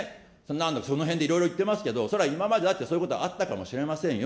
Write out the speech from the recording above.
なんだかそのへんでいろいろ言ってますけど、今までだってそういうことはあったかもかもしれませんよ。